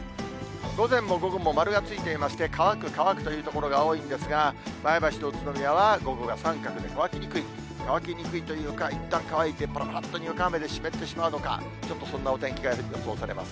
午前も午後も丸がついていまして、乾く、乾くという所が多いんですが、前橋と宇都宮は午後が三角で乾きにくい、乾きにくいというか、いったん乾いて、ぱらぱらっとにわか雨で湿ってしまうのか、ちょっとそんなお天気が予想されます。